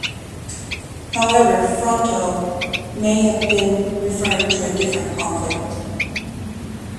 However, Fronto may have been referring to a different conflict.